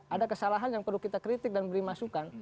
ada kesalahan yang perlu kita kritik dan beri masukan